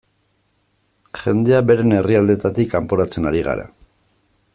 Jendea beren herrialdeetatik kanporatzen ari gara.